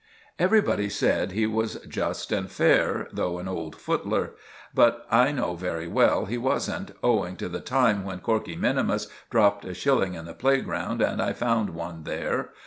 Everybody said he was just and fair, though an old footler; but I know very well he wasn't, owing to the time when Corkey minimus dropped a shilling in the playground and I found one there.